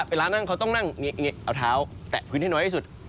เวลานั่งเขาต้องนั่งเอาเท้าแตะพื้นให้น้อยที่สุด